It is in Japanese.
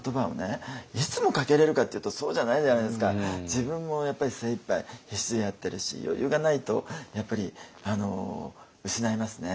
自分もやっぱり精いっぱい必死でやってるし余裕がないとやっぱり失いますね。